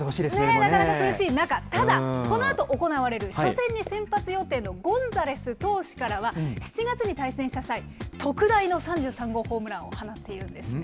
なかなか苦しい中、ただ、このあと、行われる初戦に先発予定のゴンザレス投手からは、７月に対戦した際、特大の３３号ホームランを放っているんですね。